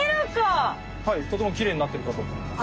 はいとてもきれいになってるかと思います。